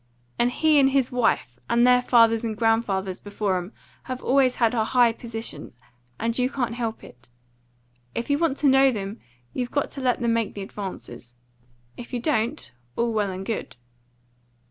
And he and his wife, and their fathers and grandfathers before 'em, have always had a high position, and you can't help it. If you want to know them, you've got to let them make the advances. If you don't, all well and good."